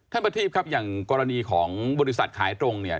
ประทีพครับอย่างกรณีของบริษัทขายตรงเนี่ย